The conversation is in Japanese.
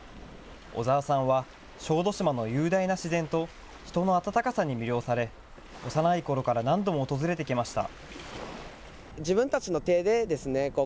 小澤さんは、小豆島の雄大な自然と、人の温かさに魅了され、幼いころから何度も訪れてきました。